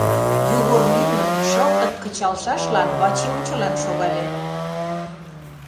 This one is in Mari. Йогор лӱмын, шылтык кычалшашлан, Вачи ончылан шогале.